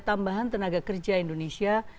tambahan tenaga kerja indonesia